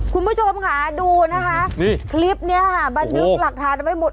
คุณผู้ชมค่ะดูนะคะนี่คลิปนี้ค่ะบันทึกหลักฐานไว้หมด